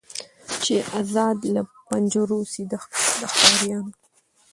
چي آزاد له پنجرو سي د ښکاریانو